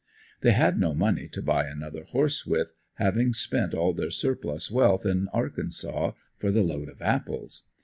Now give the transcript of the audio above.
They had no money to buy another horse with, having spent all their surplus wealth in Arkansas for the load of apples.